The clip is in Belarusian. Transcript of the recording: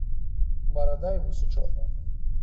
Барада і вусы чорныя.